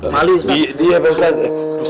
malu dia besok